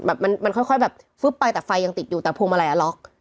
แบบมันค่อยแบบฟึ๊บไปแต่ไฟยังติดอยู่แต่พวงมาลัยอ่ะล็อก